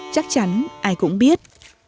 chắc chắn ai cũng biết